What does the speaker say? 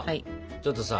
ちょっとさ